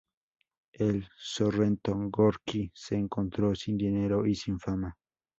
En Sorrento, Gorki se encontró sin dinero y sin fama.